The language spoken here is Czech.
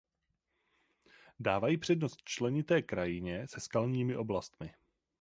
Dávají přednost členité krajině se skalními oblastmi.